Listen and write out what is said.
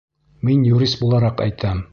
Мин юрист булараҡ әйтәм.